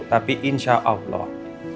tapi insya allah